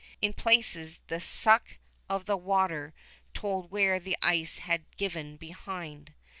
In places, the suck of the water told where the ice had given behind.